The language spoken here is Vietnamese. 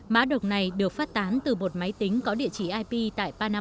mã độc này được phát tán từ một máy tính có địa chỉ ip tại pana